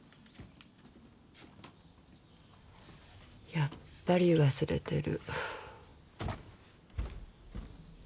やっぱり忘れてる。